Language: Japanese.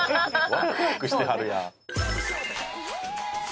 ワクワクしてはるやん。